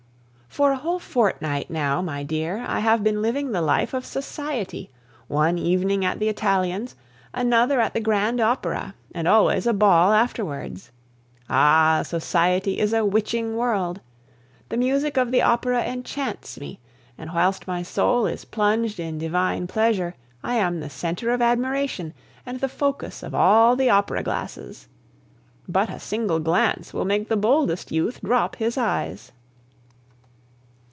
For a whole fortnight now, my dear, I have been living the life of society; one evening at the Italiens, another at the Grand Opera, and always a ball afterwards. Ah! society is a witching world. The music of the Opera enchants me; and whilst my soul is plunged in divine pleasure, I am the centre of admiration and the focus of all the opera glasses. But a single glance will make the boldest youth drop his eyes.